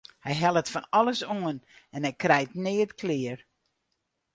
Hy hellet fan alles oan en hy krijt neat klear.